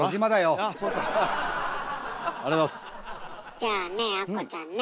じゃあねアッコちゃんね。